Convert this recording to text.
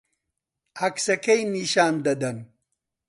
عەکسەکەی نیشان دەدەن